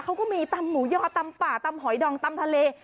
เขาก็มีตำหมูยอตำป่าตำหอยดองตำทะเล